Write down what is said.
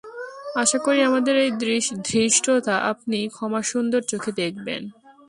আশা করি আমাদের এই ধৃষ্টতা আপনি ক্ষমাসুন্দর চােখে দেখবেন।